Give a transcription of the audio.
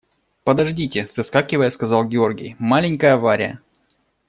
– Подождите, – соскакивая, сказал Георгий, – маленькая авария.